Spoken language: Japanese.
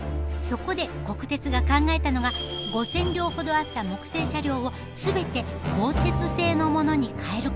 そこで国鉄が考えたのが５，０００両ほどあった木製車両を全て鋼鉄製のものにかえることでした。